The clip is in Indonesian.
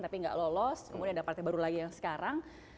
tapi nggak lolos kemudian ada partai baru lagi yang sekarang